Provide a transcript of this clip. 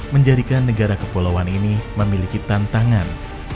menjadikan negara kepulauan ini memiliki tantangan